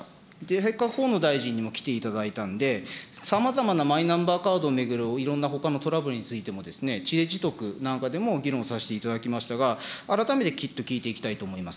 せっかく河野大臣にも来ていただいたんで、さまざまなマイナンバーカードを巡るいろんなほかのトラブルについても、なんかでも議論させていただきましたが、改めて聞いていきたいと思います。